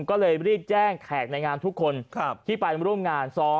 ก็เลยรีดแจ้งแขกในงานคนที่ไปกับรุ่งงาน